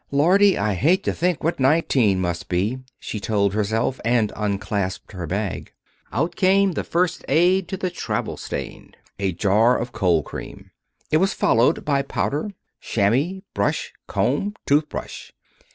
"Lordy, I hate to think what nineteen must be," she told herself, and unclasped her bag. Out came the first aid to the travel stained a jar of cold cream. It was followed by powder, chamois, brush, comb, tooth brush.